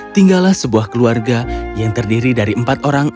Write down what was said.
tinggallah sebuah keluarga yang terdiri dari empat orang